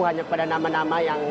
hanya kepada nama nama yang